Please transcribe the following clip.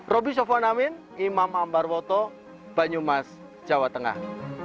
roby sofwan amin imam ambarwoto banyumas jawa tengah